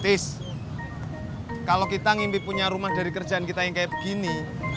tis kalau kita ngimpi punya rumah dari kerjaan kita yang kayak begini